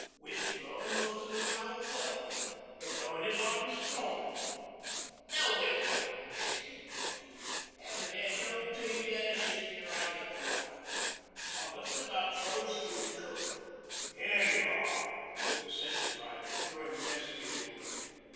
'Wind's blowin' most o' the row away. They're goin' it hot an' strong. Now where's my mess tin got to? 'Aven't 'ad no tea yet, an' it's near eight o'clock. I'm just about froze through too.' 'Here y'are,' said the Centre Driver, throwing a mess tin over.